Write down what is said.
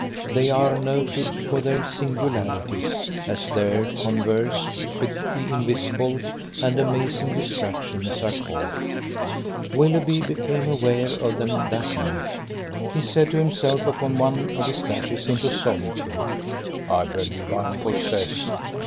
They are noted for their singularities, as their converse with the invisible and amazing distractions are called. Willoughby became aware of them that night. He said to himself, upon one of his dashes into solitude: I believe I am possessed!